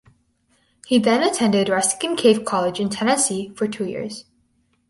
He then attended Ruskin Cave College in Tennessee for two years.